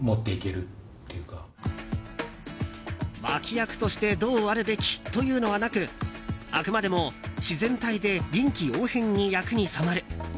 脇役としてどうあるべきというのはなくあくまでも自然体で臨機応変に役に染まる。